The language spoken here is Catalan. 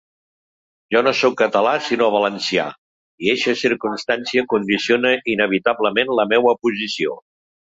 Jo no sóc català sinó valencià, i eixa circumstància condiciona inevitablement la meua posició.